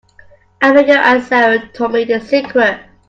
Abigail and Sara told me the secret.